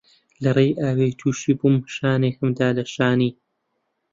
لە ڕێی ئاوێ تووشی بووم شانێکم دا لە شانی